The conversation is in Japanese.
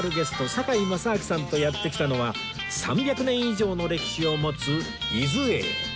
堺正章さんとやって来たのは３００年以上の歴史を持つ伊豆榮